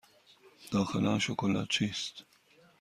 داخل آن شکلات چیست؟